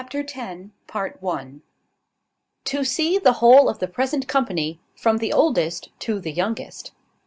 Mr Rowland hoped "to see the whole of the present company, from the oldest to the youngest."